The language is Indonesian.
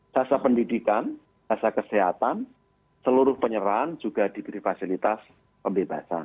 jasa pendidikan jasa kesehatan seluruh penyerahan juga diberi fasilitas pembebasan